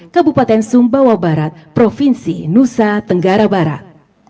kabupaten sumbawa barat provinsi nusa tenggara barat